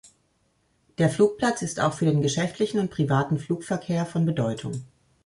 Der Flugplatz ist auch für den geschäftlichen und privaten Flugverkehr von Bedeutung.